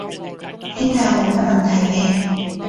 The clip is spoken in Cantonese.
傾下冇咩問題嘅